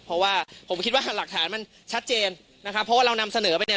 เพราะว่าผมคิดว่าหลักฐานมันชัดเจนนะครับเพราะว่าเรานำเสนอไปเนี่ย